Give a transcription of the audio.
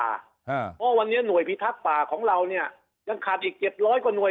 เพราะวันนี้หน่วยพิทักษ์ป่าของเราเนี่ยยังขาดอีกเจ็ดร้อยกว่าหน่วย